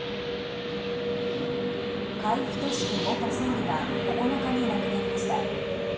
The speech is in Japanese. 海部俊樹元総理が９日に亡くなりました。